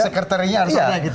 rasekaterinya harus ada gitu